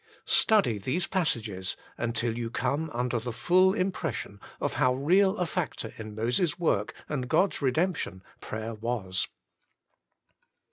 Study these passages until you come under the fuU impression of how real a factor in Moses' work and God's redemption prayer was.